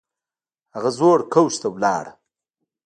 هغه زوړ کوچ ته لاړه